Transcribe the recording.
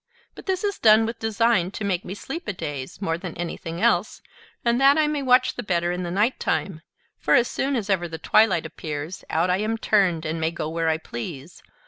But this is done with design to make me sleep a days, more than anything else, and that I may watch the better in the night time; for as soon as ever the twilight appears, out I am turned, and may go where I please.